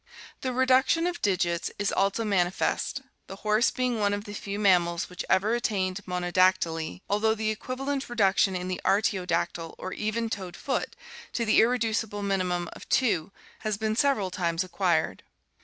The reduction of digits is also manifest, the horse being one of the few mammals which ever attained monodactyly, although the equivalent reduction in the artiodactyl or even toed foot to the irreducible minimum of two has been several times acquired.